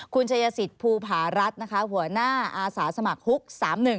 คุณชายสิทธิภูผารัฐนะคะหัวหน้าอาสาสมัครฮุก๓๑